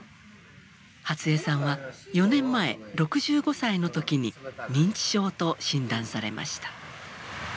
初江さんは４年前６５歳の時に認知症と診断されました。